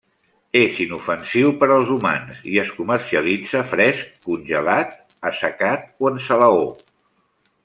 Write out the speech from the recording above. És inofensiu per als humans i es comercialitza fresc, congelat, assecat o en salaó.